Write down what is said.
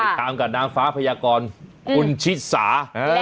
ตามกับนางฟ้าพยากรคุณชิสา